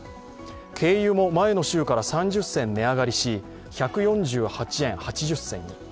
軽油も前の週から３０銭値上がりし、１４８円８０銭に。